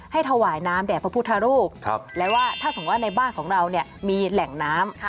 ให้ถวายน้ำแดดพระพุทธรูปแล้วถ้าสมมติว่าในบ้านของเรามีแหล่งน้ำ